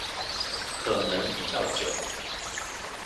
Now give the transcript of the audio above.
可能比較久